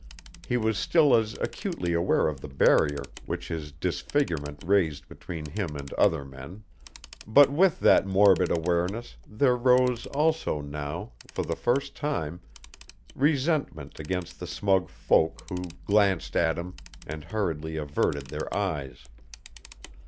He was still as acutely aware of the barrier which his disfigurement raised between him and other men. But with that morbid awareness there rose also now, for the first time, resentment against the smug folk who glanced at him and hurriedly averted their eyes.